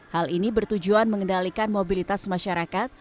hal ini bertujuan mengendalikan mobilitas masyarakat